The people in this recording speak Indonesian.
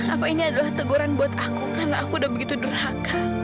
apa ini adalah teguran buat aku karena aku udah begitu durhaka